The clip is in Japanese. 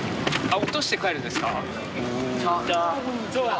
落として帰るんですか。